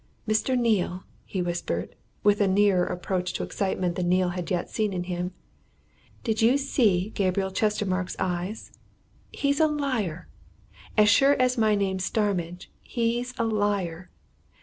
"Mr. Neale!" he whispered, with a nearer approach to excitement than Neale had yet seen in him. "Did you see Gabriel Chestermarke's eyes? He's a liar! As sure as my name's Starmidge, he's a liar!